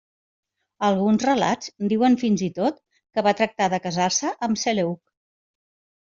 Alguns relats diuen fins i tot que va tractar de casar-se amb Seleuc.